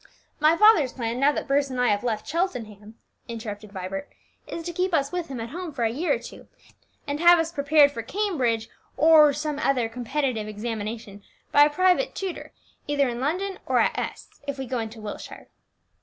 "My father's plan, now that Bruce and I have left Cheltenham," interrupted Vibert, "is to keep us with him at home for a year or two, and have us prepared for Cambridge or some competitive examination by a private tutor, either in London, or at S , if we go into Wiltshire."